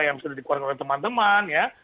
yang sudah dikeluarkan oleh teman teman ya